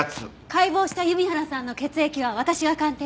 解剖した弓原さんの血液は私が鑑定する。